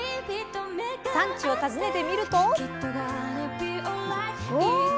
産地を訪ねてみると。